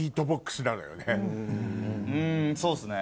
んそうっすね。